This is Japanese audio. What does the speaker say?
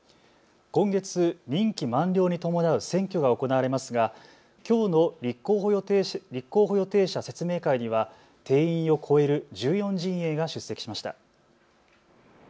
今月、任期満了に伴う選挙が行われますがきょうの立候補予定者説明会には定員を超える１４陣営が出席しました。